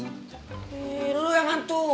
ih lu yang hantu